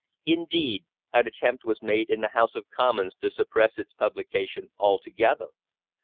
Indeed, an attempt was made in the House of Commons to suppress its publication altogether.